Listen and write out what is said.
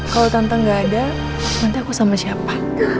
kalau tante gak ada nanti aku sama siapa